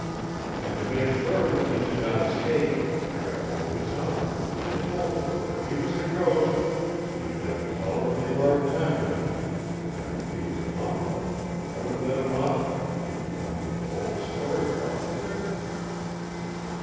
And to make sure that he should not escape I got hold of his arm, and told him that if he was a ghost he would have a tolerably hard time of it, and that if he was a humbug I would let him off if he would tell me the whole story about the trick.